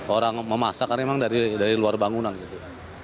orang memasak karena memang dari luar bangunan gitu